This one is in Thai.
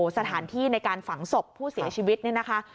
สถานที่ในการฝังศพผู้เสียชีวิตเนี่ยนะคะ